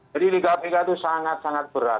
jadi di kpk itu sangat sangat berat